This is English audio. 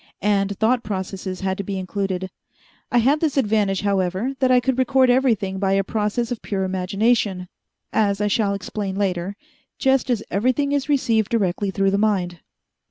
And thought processes had to be included. I had this advantage, however that I could record everything by a process of pure imagination, as I shall explain later, just as everything is received directly through the mind.